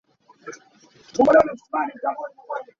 Thilṭhitnak seh pakhat ka ngei.